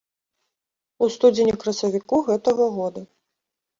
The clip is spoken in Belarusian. У студзені-красавіку гэтага года.